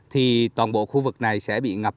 thì toàn bộ khu vực này sẽ bị ngập